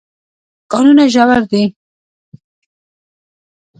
کانونه ژور دي.